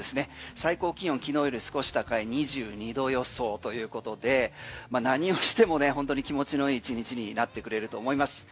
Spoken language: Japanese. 最高気温、昨日より少し高い２２度予想ということで何をしても本当に気持ちのいい１日になってくれると思います。